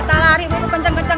kita lari begitu kenceng kenceng